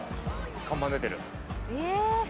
看板出てる。